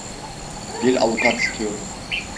Bir avukat istiyorum.